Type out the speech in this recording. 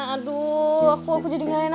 aduh aku aku jadi gak enak